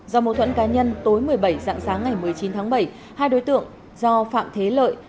do mâu thuẫn cá nhân tối một mươi bảy dạng sáng ngày một mươi chín tháng bảy hai đối tượng do phạm thế lợi